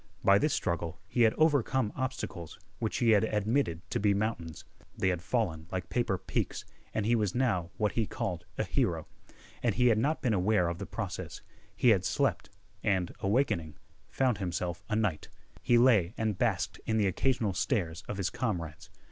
By this struggle he had overcome obstacles which he had admitted to be mountains. They had fallen like paper peaks, and he was now what he called a hero. And he had not been aware of the process. He had slept, and, awakening, found himself a knight. He lay and basked in the occasional stares of his comrades.